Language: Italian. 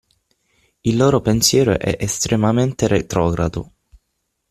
Il loro pensiero è estremamente retrogrado.